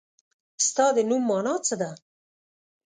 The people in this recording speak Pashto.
ستا د نوم مانا څه ده ؟